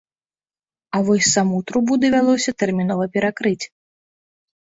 А вось саму трубу давялося тэрмінова перакрыць.